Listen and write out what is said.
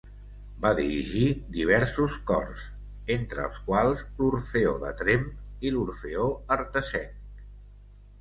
Va dirigir diversos cors, entre els quals l'Orfeó de Tremp i l'Orfeó Artesenc.